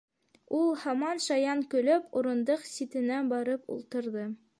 — Ул, һаман шаян көлөп, урындыҡ ситенә барып ултырҙы.